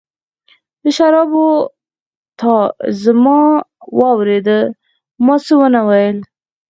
د شرابو، تا زما خبره واورېده، ما څه ونه ویل.